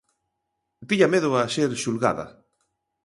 Tiña medo a ser xulgada.